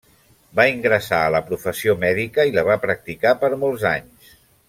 Va ingressar a la professió mèdica i la va practicar per molts anys.